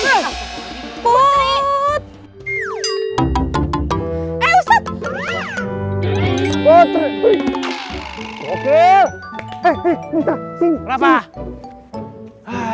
adu banks jalan haha